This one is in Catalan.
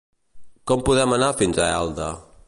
Com podem anar fins a Elda?